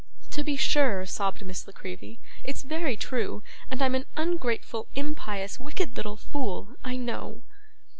'To be sure,' sobbed Miss La Creevy; 'it's very true, and I'm an ungrateful, impious, wicked little fool, I know.